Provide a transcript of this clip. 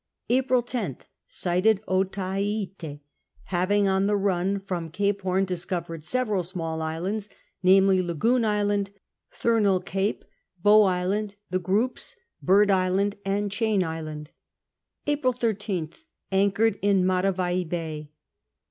April lO/Zt. Sighted Otaheite, having on the run from Cape Horn discovered several small islands, namely, Lagoon Island, Thumel Cape, Bow Island, The Groups, Bird Island, and Chain Island. April 13/A. Anchored in Matavai Bay.